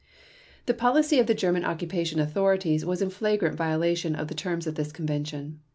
The policy of the German occupation authorities was in flagrant violation of the terms of this convention.